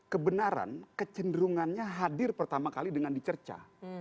kebenaran kecenderungannya hadir pertama kali dengan dicerca